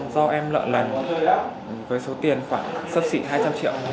do em nợ lần với số tiền khoảng sấp xỉ hai trăm linh triệu